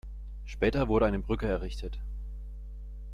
Später wurde eine Brücke errichtet.